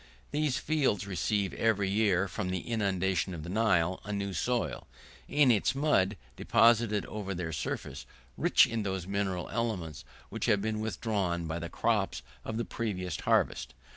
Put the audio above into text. These fields receive, every year, from the inundation of the Nile, a new soil, in its mud deposited over their surface, rich in those mineral elements which have been withdrawn by the crops of the previous harvest.